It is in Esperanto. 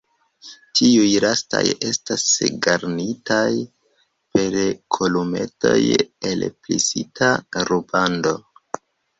Tiuj lastaj estas garnitaj per kolumetoj el plisita rubando.